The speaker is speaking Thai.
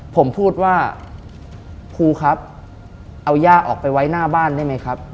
ผมพูดว่าครูครับเอาย่าออกไปไว้หน้าบ้านได้ไหมครับ